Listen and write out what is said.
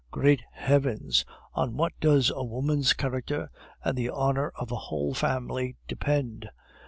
Great heavens! on what does a woman's character and the honor of a whole family depend!